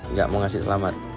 nggak mau ngasih selamat